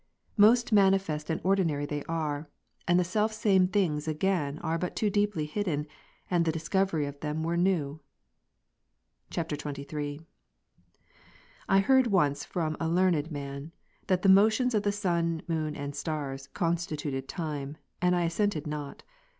Most manifest and ordinary they are, and the self same things again are but too deeply hidden, and the discovery of them were new. [XXIII.] 29. I heard once from a learned man, that the motions of the sun, moon, and stars, constituted time, and I assented not.